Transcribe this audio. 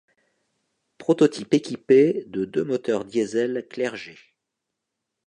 Prototype équipé de deux moteurs diesel Clerget.